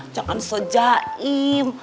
jangan se jaim